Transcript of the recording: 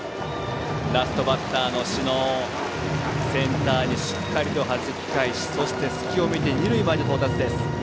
ラストバッターの小竹センターにしっかりはじき返しそして隙を見て二塁まで到達。